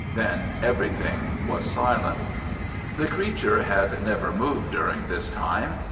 Then everything was silent. The creature had never moved during this time.